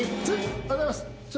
おはようございます剛さん。